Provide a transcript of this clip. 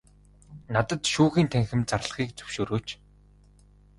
Надад шүүхийн танхим зарлахыг зөвшөөрөөч.